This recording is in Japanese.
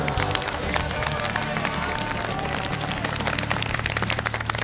ありがとうございます。